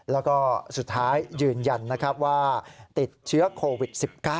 แล้วก็สุดท้ายยืนยันนะครับว่าติดเชื้อโควิด๑๙